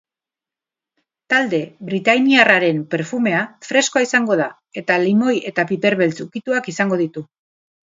Talde britainiarraren perfumea freskoa izango da eta limoi eta piperbeltz ukituak izango ditu.